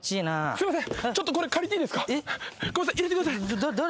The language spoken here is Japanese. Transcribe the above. すいません。